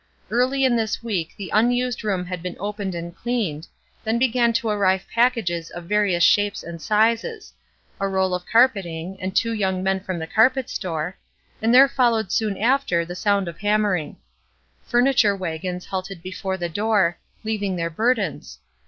Early in this week the unused room had been opened and cleaned; then began to arrive packages of various shapes and sizes; a roll of carpeting, and two young men from the carpet store; and there followed soon after the sound of hammering. Furniture wagons halted before the door, leaving their burdens.